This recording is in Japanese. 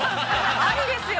◆ありですよ！